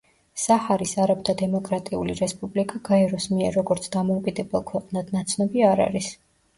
საჰარის არაბთა დემოკრატიული რესპუბლიკა გაეროს მიერ როგორც დამოუკიდებელ ქვეყნად ნაცნობი არ არის.